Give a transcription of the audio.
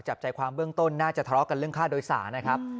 จับใจความเบื้องต้นน่าจะทะเลาะกันเรื่องค่าโดยสารนะครับ